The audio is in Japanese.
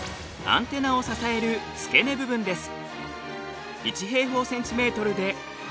アンテナを支える付け根部分です。